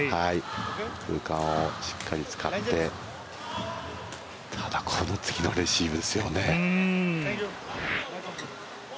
空間をしっかり使ってただ、この次のレシーブですよね。